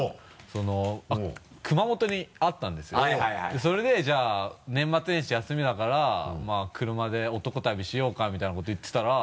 それで「じゃあ年末年始休みだからまぁ車で男旅しようか」みたいなこと言ってたら。